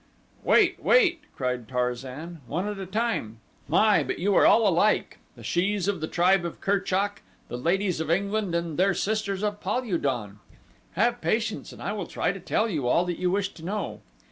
"Wait, wait," cried Tarzan; "one at a time. My, but you are all alike the shes of the tribe of Kerchak, the ladies of England, and their sisters of Pal ul don. Have patience and I will try to tell you all that you wish to know.